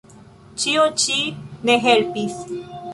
Ĉio ĉi ne helpis.